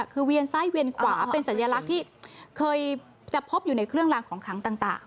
คือเวียนซ้ายเวียนขวาเป็นสัญลักษณ์ที่เคยจะพบอยู่ในเครื่องลางของขังต่าง